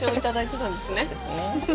そうですね。